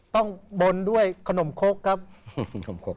ต้องบนด้วยขนมคกครับขนมคก